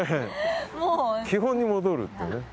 基本に戻るっていうね。